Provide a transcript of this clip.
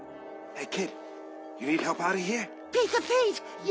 えっ？